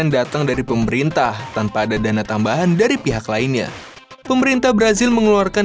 datang dari pemerintah tanpa ada dana tambahan dari pihak lainnya pemerintah brazil mengeluarkan